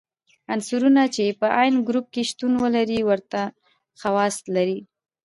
عنصرونه چې په عین ګروپ کې شتون ولري ورته خواص لري.